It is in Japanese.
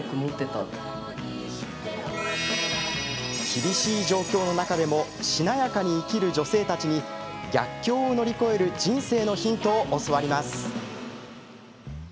厳しい状況の中でもしなやかに生きる女性たちに逆境を乗り越える人生のヒントを教わります。